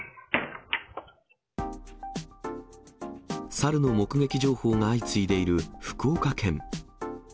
サルの目撃情報が相次いでいる福岡県。